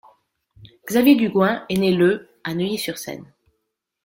Xavier Dugoin est né le à Neuilly-sur-Seine.